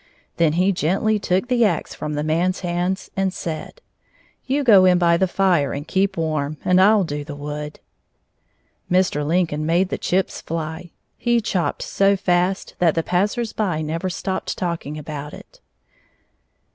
Then he gently took the axe from the man's hands and said: "You go in by the fire and keep warm, and I'll do the wood." Mr. Lincoln made the chips fly. He chopped so fast that the passers by never stopped talking about it.